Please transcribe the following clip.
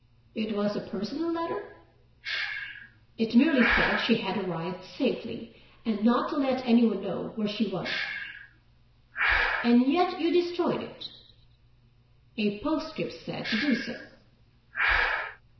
"It was a personal letter?" "It merely said she had arrived safely, and not to let any one know where she was." "And yet you destroyed it?" "A postscript said to do so."